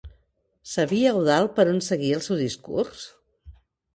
Sabia Eudald per on seguir el seu discurs?